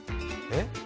えっ？